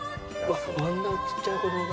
あんなちっちゃい子供。